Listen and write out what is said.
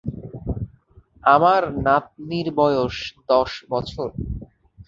আমার নাতনির বয়স দশ বছর।